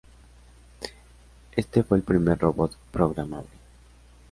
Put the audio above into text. Este fue el primer robot programable.